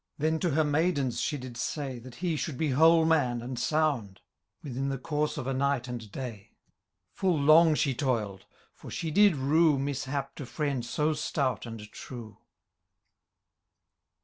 Then to her maidens she did say. That he should be whole man and sound. Within the course of a night and day. Full long she toil'd ; for she did rue Mishap to friend so stout and true.